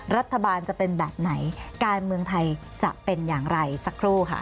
รัฐบาลจะเป็นแบบไหนการเมืองไทยจะเป็นอย่างไรสักครู่ค่ะ